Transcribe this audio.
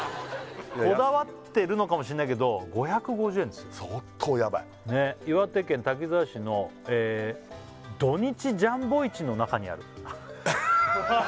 こだわってるのかもしんないけど５５０円ですよ相当ヤバい「岩手県滝沢市の土・日ジャンボ市の中にある」